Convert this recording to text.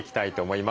はい。